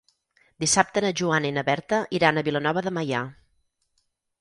Dissabte na Joana i na Berta iran a Vilanova de Meià.